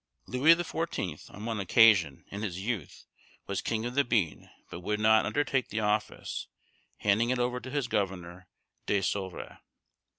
Louis the Fourteenth, on one occasion, in his youth, was king of the bean, but would not undertake the office, handing it over to his governor, De Souvre.